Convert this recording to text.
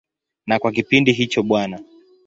Na kwa kipindi hicho Bw.